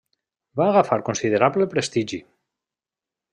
Va agafar considerable prestigi.